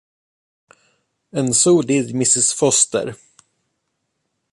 And so did Mrs. Forster.